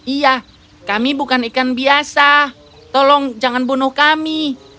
iya kami bukan ikan biasa tolong jangan bunuh kami